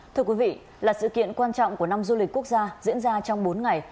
thưa quý vị là sự kiện quan trọng của năm du lịch quốc gia diễn ra trong bốn ngày